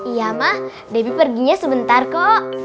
iya mah debbie perginya sebentar kok